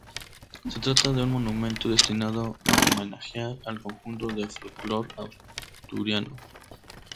Se trata de un monumento destinado a homenajear al conjunto del folklore asturiano.